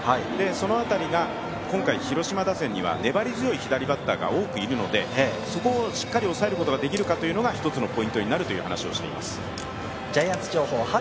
その辺りが今回広島打線には粘り強い左バッターが多くいるのでそこをしっかり抑えることができるかというのが一つのポイントになるという話をしています。